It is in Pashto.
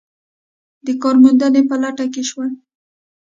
د کار موندنې په لټه کې شول.